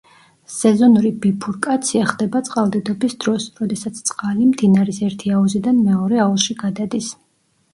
სეზონური ბიფურკაცია ხდება წყალდიდობის დროს, როდესაც წყალი მდინარის ერთი აუზიდან მეორე აუზში გადადის.